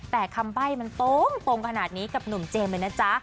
แต่คำใบ้มันตรงขนาดนี้กับหนุ่มเจมส์เลยนะจ๊ะ